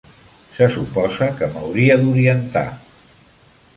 Se suposa que m'hauria d'orientar.